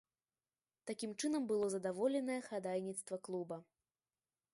Такім чынам было задаволенае хадайніцтва клуба.